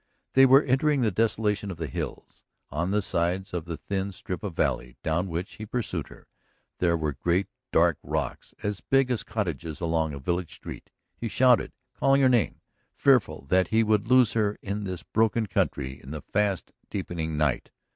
They were entering the desolation of the hills. On the sides of the thin strip of valley, down which he pursued her, there were great, dark rocks, as big as cottages along a village street. He shouted, calling her name, fearful that he should lose her in this broken country in the fast deepening night.